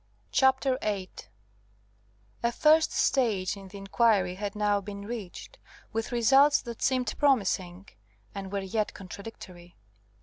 CHAPTER VIII A first stage in the inquiry had now been reached, with results that seemed promising, and were yet contradictory.